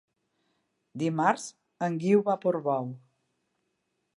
Dimarts en Guiu va a Portbou.